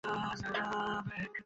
ও দেখতে সুন্দর না?